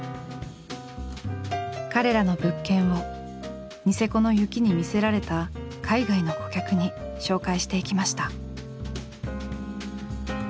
彼らの物件をニセコの雪に魅せられた海外の顧客に紹介していきました。